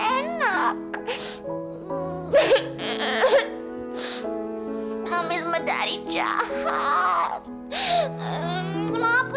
kenapa sih gak pernah aku boleh happy